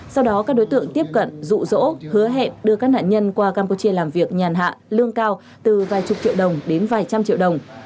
sau đó các đối tượng tiếp cận rụ rỗ hứa hẹn đưa các nạn nhân qua campuchia làm việc nhàn hạ lương cao từ vài chục triệu đồng đến vài trăm triệu đồng